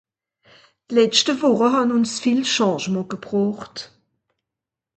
D’letschte Wùche hàn ùns viel Changement gebroocht.